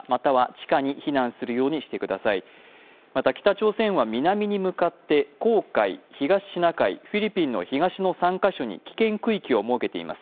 また、北朝鮮は南に向かって黄海、東シナ海、フィリピンの東の３か所に危険区域を設けています。